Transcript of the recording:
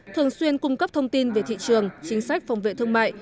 thường xuyên cung cấp thông tin về thị trường chính sách phòng vệ thương mại